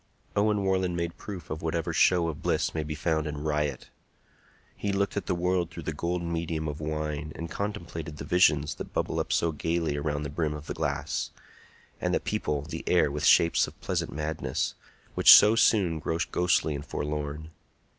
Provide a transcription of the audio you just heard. Owen Warland made proof of whatever show of bliss may be found in riot. He looked at the world through the golden medium of wine, and contemplated the visions that bubble up so gayly around the brim of the glass, and that people the air with shapes of pleasant madness, which so soon grow ghostly and forlorn.